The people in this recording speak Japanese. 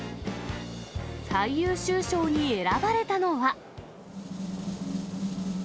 最優秀賞に選ばれたのは。